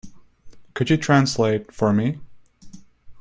Could you translate for me?